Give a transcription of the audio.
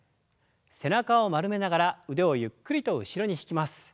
背中を丸めながら腕をゆっくりと後ろに引きます。